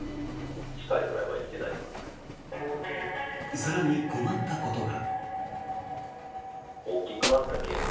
更に困ったことが。